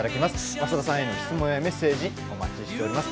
増田さんへの質問やメッセージお待ちしております。